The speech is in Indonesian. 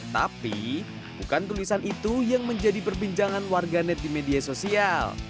tapi bukan tulisan itu yang menjadi perbincangan warganet di media sosial